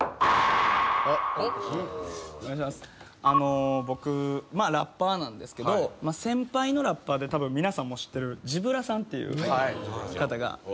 あの僕ラッパーなんですけど先輩のラッパーでたぶん皆さんも知ってるＺｅｅｂｒａさんっていう方が。